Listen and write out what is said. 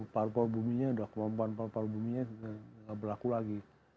paru paru bumi nya sudah kemampuan paru paru bumi nya sudah tidak berlaku lagi